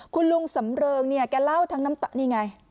คุณลุงสำเริงเนี่ยแกเล่าทั้งน้ำตานี่ไง